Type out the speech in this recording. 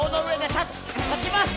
立ちます。